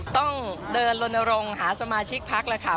ต้องเดินลงหาสมาชิกพักละค่ะ